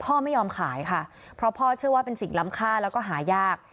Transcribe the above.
พ่อไม่ยอมขายค่ะเพราะพ่อเชื่อว่าเป็นสิ่งล้ำค่าแล้วก็หายาก